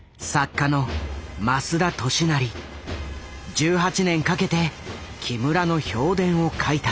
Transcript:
１８年かけて木村の評伝を書いた。